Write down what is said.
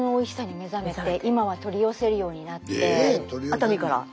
熱海から。